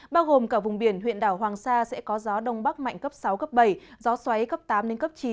bao gồm cả vùng biển huyện đảo hoàng sa sẽ có gió đông bắc mạnh cấp sáu cấp bảy gió xoáy cấp tám đến cấp chín